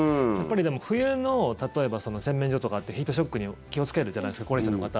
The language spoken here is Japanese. でも、冬の例えば洗面所とかってヒートショックに気をつけるじゃないですか高齢者の方。